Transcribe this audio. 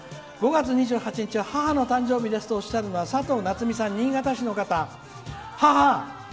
「５月２８日は母の誕生日です」とおっしゃるのはさとうなつみさん、新潟市の方。